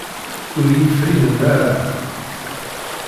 Ur iyi-frinen ara.